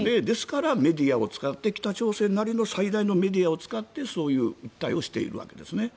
ですからメディアを使って北朝鮮なりの最大のメディアを使ってそういう訴えをしているわけです。